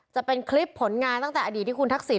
จะเป็นคลิปผลงานตั้งแต่อดีตที่คุณทักษิณ